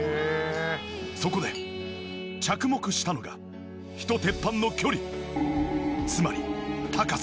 そこで着目したのが火と鉄板の距離つまり高さ。